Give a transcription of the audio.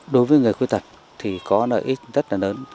đối với người khuyết tật có lợi ích rất lớn